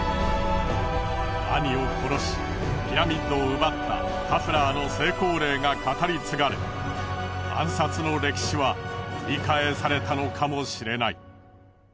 兄を殺しピラミッドを奪ったカフラーの成功例が語り継がれ暗殺の歴史は繰り返されたのかもしれない。